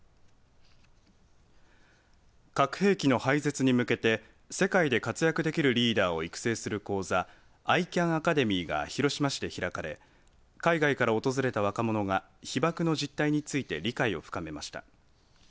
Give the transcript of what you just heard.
核兵器の廃絶に向けて世界で活躍できるリーダーを育成する講座ＩＣＡＮアカデミーが広島市で開かれ海外から訪れた若者が被爆の実態について理解を深めました。